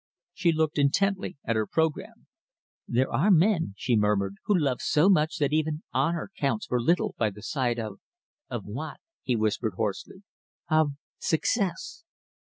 She looked intently at her programme. "There are men," she murmured, "who love so much that even honour counts for little by the side of " "Of what?" he whispered hoarsely. "Of success."